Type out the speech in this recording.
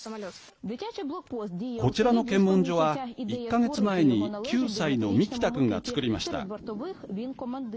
こちらの検問所は１か月前に９歳のミキタ君が作りました。